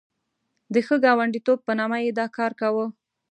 د ښه ګاونډیتوب په نامه یې دا کار کاوه.